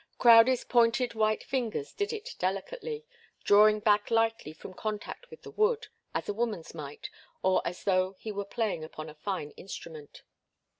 Crowdie's pointed white fingers did it delicately, drawing back lightly from contact with the wood, as a woman's might, or as though he were playing upon a fine instrument.